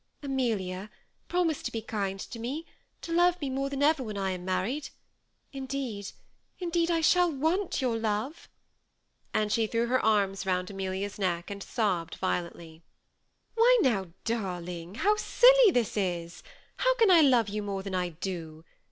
Amelia, promise to be kind to me, to love me more than ever when I am married ; indeed, indeed, I shall want your love;" and she threw her arms round Amelia's neck, and sobbed vio lently. " Why now, darling, how silly this is ! how can I love you more than I do